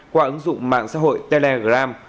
qua ứng dụng mạng xã hội telegram